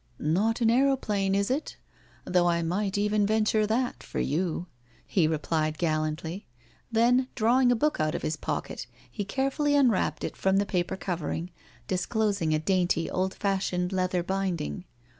" Not an aeroplane, is it? though I might even venture that with you," he replied gallantly. Then drawing a book out of his pocket he carefully un wrapped it from the paper covering, disclosing a dainty old fashioned leather binding.